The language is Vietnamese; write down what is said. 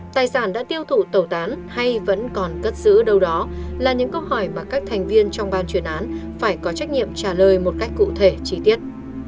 tài sản đã tiêu thụ tẩu tán hay vẫn còn cất giữ đâu đó là những câu hỏi mà các thành viên trong ban chuyển án phải có trách nhiệm trả lời một cách cụ thể chi tiết